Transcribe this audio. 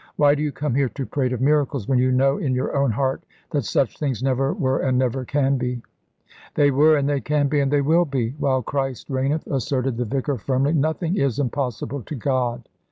Why do you come here to prate of miracles, when you know in your own heart that such things never were and never can be?" "They were and they can be and they will be, while Christ reigneth," asserted the vicar, firmly; "nothing is impossible to God."